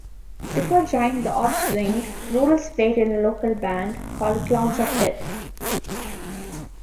Before joining The Offspring, Noodles played in a local band called Clowns of Death.